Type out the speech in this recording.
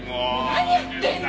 何やってんの！？